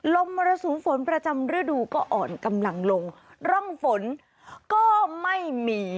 มรสุมฝนประจำฤดูก็อ่อนกำลังลงร่องฝนก็ไม่มี